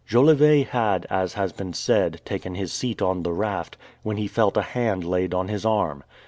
Jolivet had, as has been said, taken his seat on the raft, when he felt a hand laid on his arm.